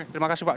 terima kasih pak